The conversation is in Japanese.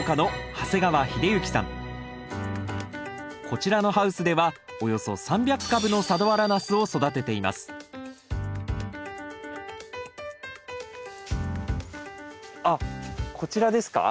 こちらのハウスではおよそ３００株の佐土原ナスを育てていますあっこちらですか？